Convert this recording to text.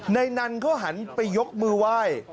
นันเขาหันไปยกมือไหว้